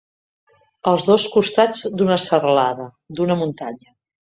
Els dos costats d'una serralada, d'una muntanya.